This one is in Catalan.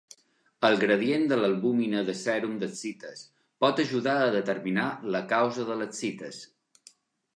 El gradient de l'albúmina de sèrum d'ascites pot ajudar a determinar la causa de l'ascites.